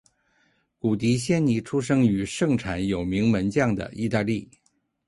古迪仙尼出生于盛产有名门将的意大利。